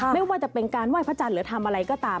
ไม่ว่าจะเป็นการไหว้พระจันทร์หรือทำอะไรก็ตาม